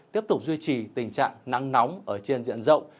tiếp tục duy trì tình trạng nắng nóng ở trên diện rộng